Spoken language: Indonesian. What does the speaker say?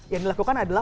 yang dilakukan adalah